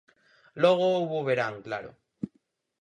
Logo houbo verán, claro.